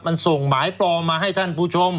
มันส่งหมายปลอมมาให้ท่านผู้ชม